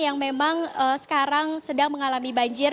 yang memang sekarang sedang mengalami banjir